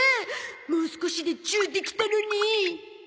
もう少しでチューできたのに